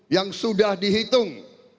yang sudah dihitung